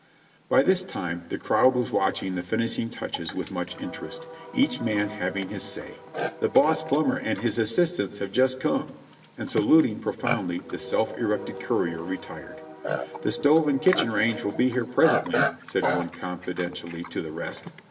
By this time the crowd was watching the finishing touches with much interest, each man having his say. "The boss plumber and his assistants have just come." And saluting, profoundly, the self elected courier retired. "The stove and kitchen range will be here presently," said one confidentially to the rest.